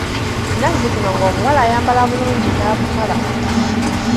Nazzikuno ng'omuwala ayambala bulungi n'abukala.